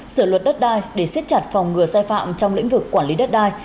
sửa luật đất đai để siết chặt phòng ngừa sai phạm trong lĩnh vực quản lý đất đai